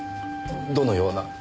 どのような？